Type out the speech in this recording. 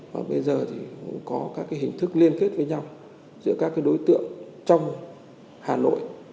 và bây giờ thì cũng có các hình thức liên kết với nhau giữa các đối tượng trong hà nội